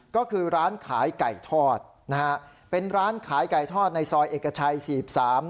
ก็คือร้านขายไก่ทอดนะฮะเป็นร้านขายไก่ทอดในซอยเอกชัยสี่สิบสาม